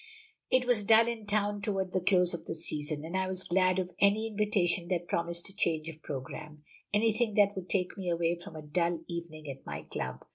It was dull in town, toward the close of the season, and I was glad of any invitation that promised a change of programme anything that would take me away from a dull evening at my club.